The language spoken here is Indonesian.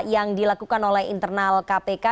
yang dilakukan oleh internal kpk